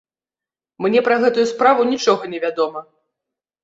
Мне пра гэтую справу нічога не вядома.